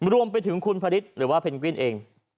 รวมไปถึงคุณพระฤทธิ์หรือว่าเพนกวินเอง